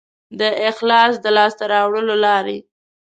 د اخلاص د لاسته راوړلو لارې